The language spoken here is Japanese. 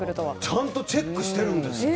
ちゃんとチェックしてるんですって。